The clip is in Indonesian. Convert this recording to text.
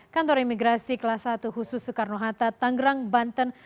kantor imigrasi kelas satu khusus soekarno hatta tanggerang banten